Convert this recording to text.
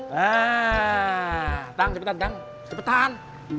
hah tanggung cepetan tanggung cepetan